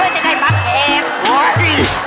เอาออกมาเอาออกมาเอาออกมาเอาออกมา